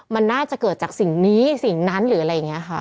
มันน่าจะเกิดจากสิ่งนี้สิ่งนั้นหรืออะไรอย่างนี้ค่ะ